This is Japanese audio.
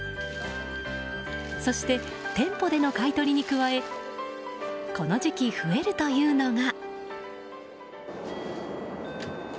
そして店舗での買い取りに加えこの時期増えるというのが。